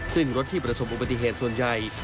ซึ่งรถที่ประสบอุบัติเหตุส่วนใหญ่